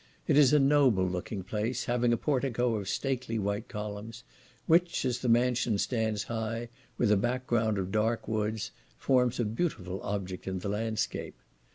It is a noble looking place, having a portico of stately white columns, which, as the mansion stands high, with a background of dark woods, forms a beautiful object in the landscape.